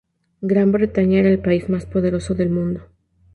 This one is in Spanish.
Gran Bretaña era el país más poderoso del mundo.